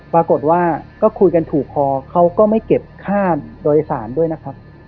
ปรากฏว่าก็คุยกันถูกคอเขาก็ไม่เก็บค่าโดยสารด้วยนะครับ